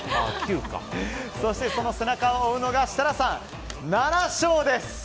その背中を負うのが設楽さん７勝です。